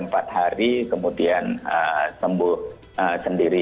mereka juga sudah sembuh sendiri